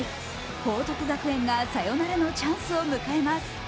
報徳学園がサヨナラのチャンスを迎えます。